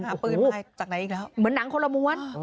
เอาปืนมาจากไหนอีกแล้วเหมือนหนังคนละม้วน